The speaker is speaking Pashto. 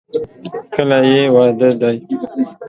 کله یې واده دی؟